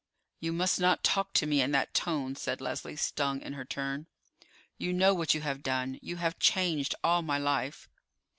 "You must not talk to me in that tone," said Leslie, stung in her turn. "You know what you have done. You have changed all my life."